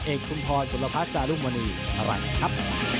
เอกคุณพลศุลภัทรจารุมณีภรรณครับ